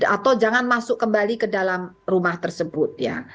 atau jangan masuk kembali ke dalam rumah tersebut ya